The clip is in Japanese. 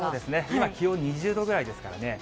今、気温２０度ぐらいですからね。